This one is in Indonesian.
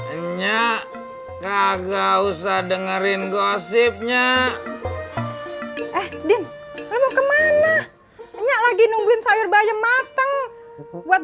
enyak kagak usah dengerin gosipnya eh din mau kemana enggak lagi nungguin sayur bayam mateng buat